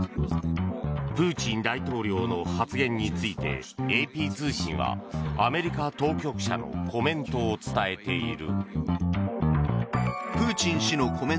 プーチン大統領の発言についてＡＰ通信はアメリカ当局者のコメントを伝えている。